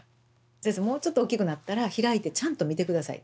「先生もうちょっと大きくなったら開いてちゃんと見て下さい」って。